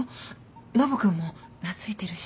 ノブ君も懐いてるし。